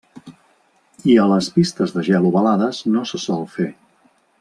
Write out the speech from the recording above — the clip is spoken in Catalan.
I a les pistes de gel ovalades no se sol fer.